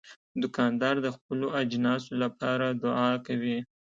دوکاندار د خپلو اجناسو لپاره دعا کوي.